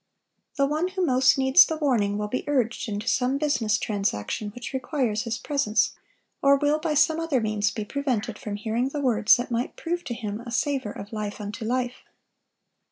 The one who most needs the warning will be urged into some business transaction which requires his presence, or will by some other means be prevented from hearing the words that might prove to him a savor of life unto life.